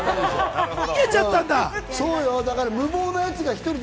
逃げちゃったんだ。